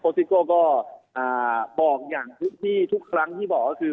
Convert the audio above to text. ซิโก้ก็บอกอย่างที่ทุกครั้งที่บอกก็คือ